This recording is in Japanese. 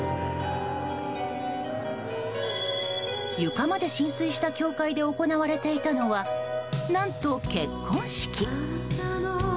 床まで浸水した教会で行われていたのは、何と結婚式。